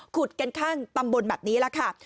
กันข้างตำบลแบบนี้แหละค่ะ